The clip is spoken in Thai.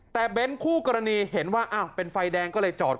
มันเป็นซ้ายผ่านตลอด